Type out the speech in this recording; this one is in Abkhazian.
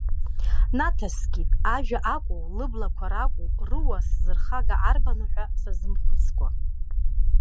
Наҭаскит, ашәа акәу, лыблақәа ракәу рыуа сзырхага арбану ҳәа сазымхәыцкәа.